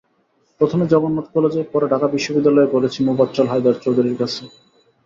প্রথমে জগন্নাথ কলেজে, পরে ঢাকা বিশ্ববিদ্যালয়ে পড়েছি মোফাজ্জল হায়দার চৌধুরীর কাছে।